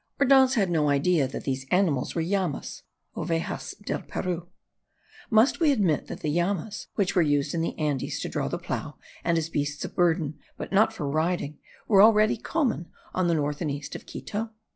Ordaz had no idea that these animals were llamas (ovejas del Peru). Must we admit that llamas, which were used in the Andes to draw the plough and as beasts of burden, but not for riding, were already common on the north and east of Quito?